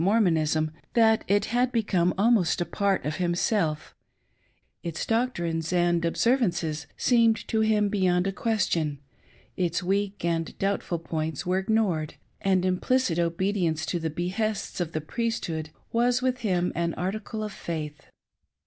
577 Mormonisra that it had beconje alinost a part of himself ;— its doctrines and observances seemed to him beyond a question, its weak and doubtful points were ignored, and implicit obedience to the behests of the Priesthood was with him an article of faith.